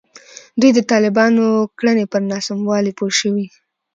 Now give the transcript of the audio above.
دوی د طالبانو کړنو پر ناسموالي پوه شوي.